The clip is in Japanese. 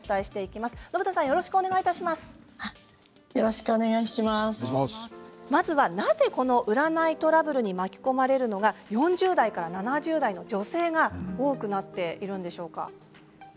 まずは、なぜこの占いトラブルに巻き込まれるのか４０代から７０代の女性が多くなっているんでしょうか。